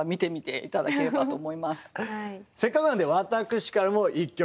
せっかくなんで私からも１曲。